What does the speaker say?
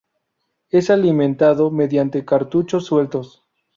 Es alimentado mediante cartuchos sueltos.